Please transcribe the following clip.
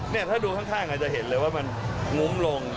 ถ้าดูข้างอาจจะเห็นเลยว่ามันงุ้มลง